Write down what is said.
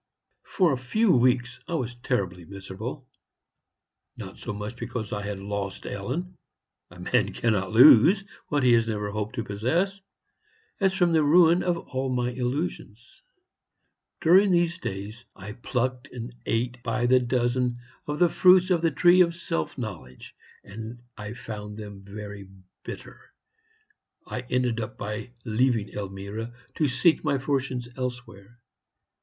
"For a few weeks I was terribly miserable; not so much because I had lost Ellen a man cannot lose what he has never hoped to possess as from the ruin of all my illusions. During those days I plucked and ate by the dozen of the fruits of the tree of self knowledge, and I found them very bitter. I ended by leaving Elmira, to seek my fortunes elsewhere.